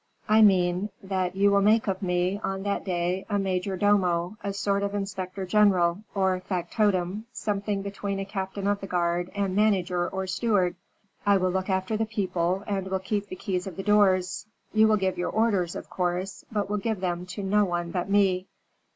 "I mean, that you will make of me, on that day, a major domo, a sort of inspector general, or factotum something between a captain of the guard and manager or steward. I will look after the people, and will keep the keys of the doors. You will give your orders, of course: but will give them to no one but me.